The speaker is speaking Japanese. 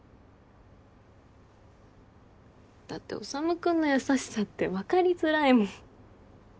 だって修君の優しさって分かりづらいもん。